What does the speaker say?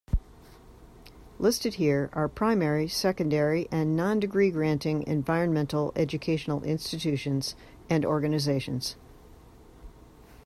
Listed here are primary, secondary, and non-degree granting environmental education institutions and organizations.